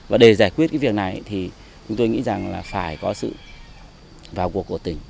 và để giải quyết cái việc này thì chúng tôi nghĩ rằng là phải có sự vào cuộc của tỉnh